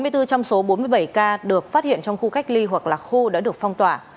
hai mươi bốn trong số bốn mươi bảy ca được phát hiện trong khu cách ly hoặc là khu đã được phong tỏa